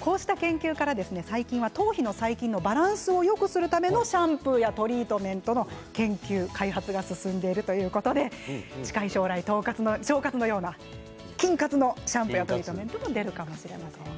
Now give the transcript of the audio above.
こうした研究から最近は頭皮の細菌のバランスをよくするためのシャンプーやトリートメントの研究開発が進んでいるということで、近い将来腸活のような菌活のシャンプーも出るかもしれません。